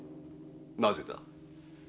なぜだ？